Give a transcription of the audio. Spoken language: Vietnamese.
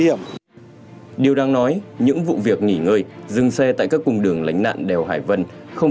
điểm điều đáng nói những vụ việc nghỉ ngơi dừng xe tại các cung đường lánh nạn đèo hải vân không